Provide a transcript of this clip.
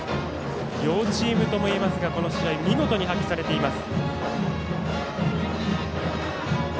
両チームともいえますがこの試合見事に発揮されています。